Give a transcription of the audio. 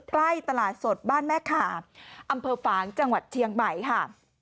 ใกล้ตลาดสดบ้านแม่ขาบอำเภอฝางจังหวัดเชียงใหม่ค่ะ